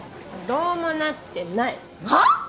どうもなってないはっ！？